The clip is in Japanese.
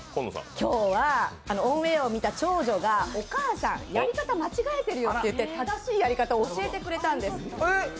今日はオンエアを見た長女が、お母さん、やり方、間違えてるよって正しいやり方教えてくれたんです